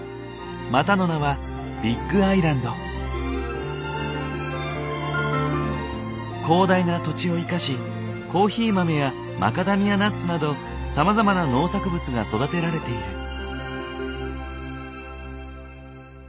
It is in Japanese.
またの名は広大な土地を生かしコーヒー豆やマカダミアナッツなどさまざまな農作物が育てられている。